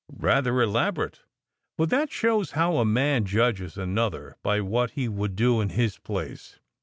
Rather elaborate! But that shows how a man judges another by what he would do in his place